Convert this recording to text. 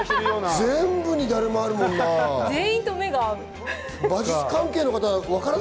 全部にダルマ、あるもんな。